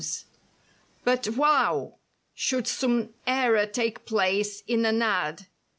But, wow! Should some error take place in an ad.